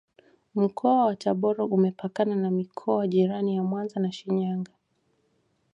Mkoa wa tabora Umepakana na mikoa jirani ya Mwanza na Shinyanga